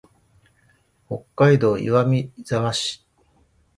北海道岩見沢市